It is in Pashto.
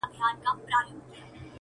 نن قانون او حیا دواړه له وطنه کوچېدلي-